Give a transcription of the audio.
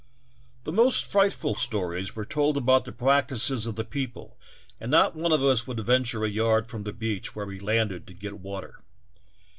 The most frightful stories were told about the practices of the people and not one of us would venture a yard from the beach where we landed to get water.